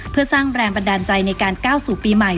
เพื่อสร้างแรงบันดาลใจในการก้าวสู่ปีใหม่